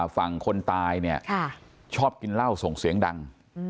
ฝั่งคนตายชอบกินแล่วส่งเสียงดัง